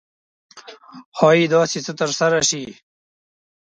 ښایي داسې څه ترسره شي.